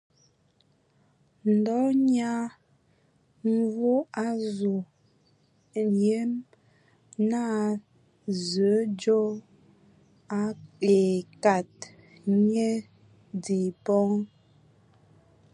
Ndɔ Nyia Mvu a azu yem naa Zǝǝ ndzo e akad nye di bɔn.